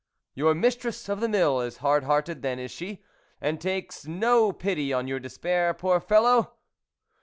"Your mistress of the mill is hard hearted then, is she ? and takes no pity on your despair, poor fellow